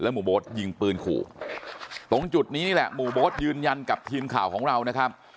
หมู่โบ๊ทยิงปืนขู่ตรงจุดนี้นี่แหละหมู่โบ๊ทยืนยันกับทีมข่าวของเรานะครับ